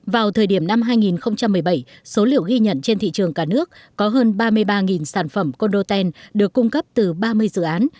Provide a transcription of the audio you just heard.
vào thời điểm năm hai nghìn một mươi bảy số liệu ghi nhận trên thị trường cả nước có hơn ba mươi ba sản phẩm condotel được cung cấp từ ba mươi dự án